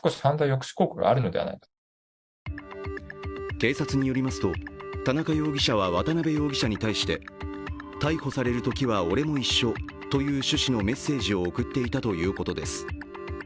警察によりますと、田中容疑者は渡邊容疑者に対して逮捕されるときは俺も一緒という趣旨のメッセージを送っていたということです